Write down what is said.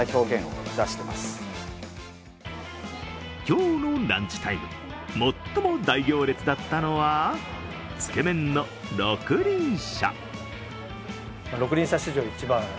今日のランチタイム、最も大行列だったのは、つけ麺の六厘舎。